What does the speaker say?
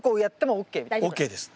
ＯＫです。